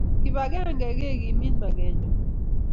Kipagenge kekimit maket nyo